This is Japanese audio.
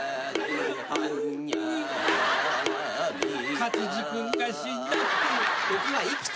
勝地君が死んだって。